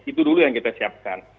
itu dulu yang kita siapkan